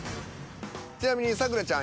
ちなみに咲楽ちゃん